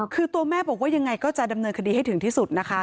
คือตัวแม่บอกว่ายังไงก็จะดำเนินคดีให้ถึงที่สุดนะคะ